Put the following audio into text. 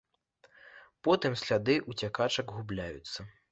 Потым сляды ўцякачак губляюцца.